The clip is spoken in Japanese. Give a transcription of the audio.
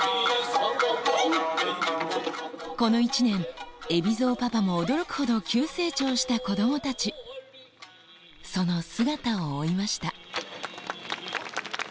この一年海老蔵パパも驚くほど急成長した子供たちその姿を追いました